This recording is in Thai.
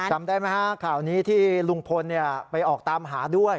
จำได้ไหมฮะข่าวนี้ที่ลุงพลไปออกตามหาด้วย